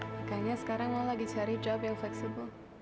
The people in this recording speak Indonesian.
makanya sekarang mau lagi cari dobel yang fleksibel